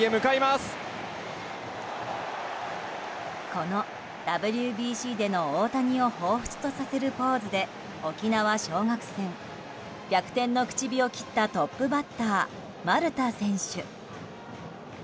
このＷＢＣでの大谷をほうふつとさせるポーズで沖縄尚学戦逆転の口火を切ったトップバッター、丸太選手。